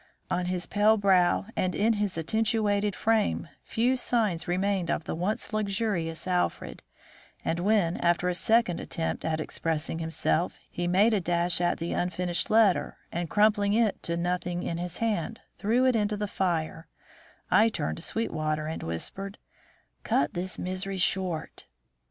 On his pale brow and in his attenuated frame few signs remained of the once luxurious Alfred, and when, after a second attempt at expressing himself, he made a dash at the unfinished letter and, crumpling it to nothing in his hand, threw it into the fire, I turned to Sweetwater and whispered: "Cut this misery short."